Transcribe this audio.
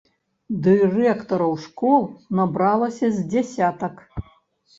Дырэктараў школ набралася з дзясятак.